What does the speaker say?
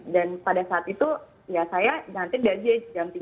dan pada saat itu ya saya nanti dari jam tiga belas